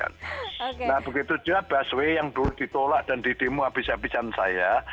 nah begitu juga busway yang dulu ditolak dan didimu abis abisan saya